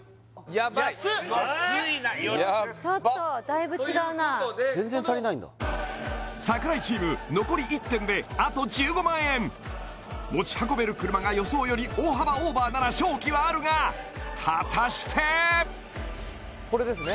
ヤバいヤッバ・安いなよしちょっとだいぶ違うなということで櫻井チーム残り１点であと１５万円持ち運べる車が予想より大幅オーバーなら勝機はあるが果たしてこれですね